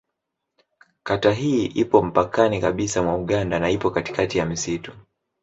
Kata hii ipo mpakani kabisa mwa Uganda na ipo katikati ya msitu.